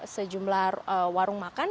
sejumlah warung makan